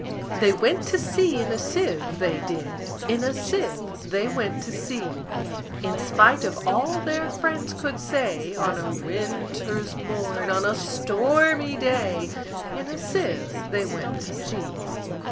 They went to sea in a sieve, they did; In a sieve they went to sea: In spite of all their friends could say, On a winter's morn, on a stormy day, In a sieve they went to sea.